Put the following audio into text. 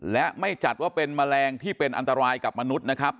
และไม่จัดว่าเป็นแมลงที่เป็นอันตรายกับมนุษย์นะครับ